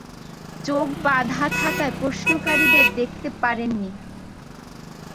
চোখ বাঁধা থাকায় প্রশ্নকারীদের দেখতে পারেননি।